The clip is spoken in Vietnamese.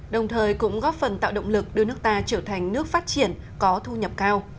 đồng thời cũng góp phần tạo động lực đưa nước ta trở thành nước phát triển có thu nhập cao